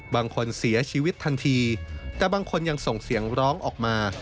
บางคนเสียชีวิตทันทีแต่บางคนยังส่งเสียงร้องออกมา